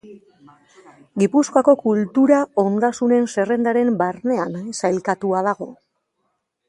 Gipuzkoako kultura ondasunen zerrendaren barnean sailkatua dago.